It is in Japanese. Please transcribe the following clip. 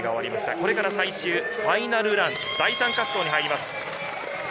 これから最終、ファイナルラン、第３滑走に入ります。